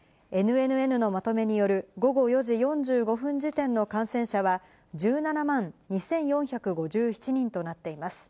ＮＮＮのまとめによる午後４時４５分時点の感染者は１７万２４５７人となっています。